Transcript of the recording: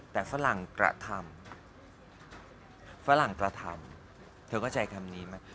แต่ฝรั่งกระทำเธอเข้าใจคำนี้ไหม